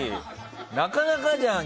なかなかじゃん。